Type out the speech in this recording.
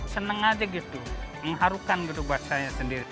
senang aja gitu mengharukan berubah saya sendiri